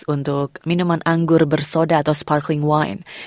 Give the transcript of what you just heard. untuk minuman anggur bersoda atau sparkling wine